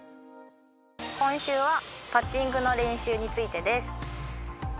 今週はパッティングの練習についてです。